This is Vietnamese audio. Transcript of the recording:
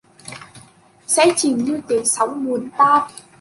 Sẽ chìm như tiếng sóng buồn tan